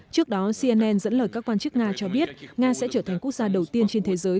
trước đó cnn dẫn lời các quan chức nga cho biết nga sẽ trở thành quốc gia đầu tiên trên thế giới